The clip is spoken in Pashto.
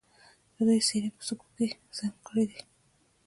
د دوی څیرې په سکو کې ځانګړې دي